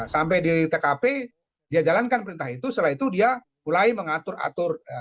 sampai di tkp dia jalankan perintah itu setelah itu dia mulai mengatur atur